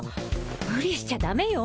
無理しちゃダメよ